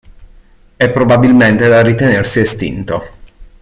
È probabilmente da ritenersi estinto.